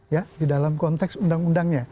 ya di dalam konteks undang undangnya